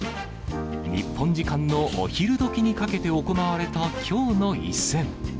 日本時間のお昼どきにかけて行われた、きょうの一戦。